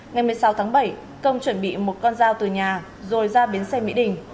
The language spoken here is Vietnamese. ngày một mươi sáu tháng bảy công chuẩn bị một con dao từ nhà rồi ra biến xe mỹ đình